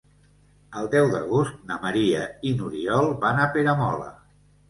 El deu d'agost na Maria i n'Oriol van a Peramola.